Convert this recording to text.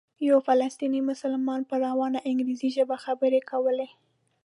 یو فلسطینی مسلمان په روانه انګریزي ژبه خبرې کولې.